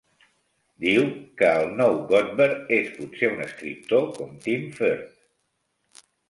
Diu que el "nou Godber" és potser un escriptor com Tim Firth.